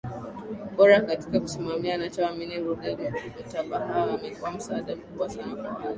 bora Katika kusimamia anachoamini Ruge Mutahaba amekuwa msaada mkubwa sana kwa watu